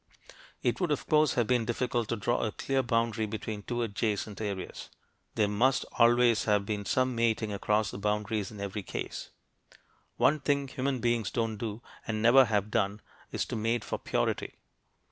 It would, of course, have been difficult to draw a clear boundary between two adjacent areas. There must always have been some mating across the boundaries in every case. One thing human beings don't do, and never have done, is to mate for "purity."